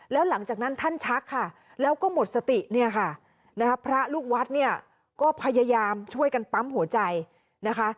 แล้วหลังจากนั้นท่านชักค่ะแล้วก็หมดสติเนี่ยค่ะนะคะพระลูกวัดเนี่ยก็พยายามช่วยกันปั๊มหัวใจนะคะ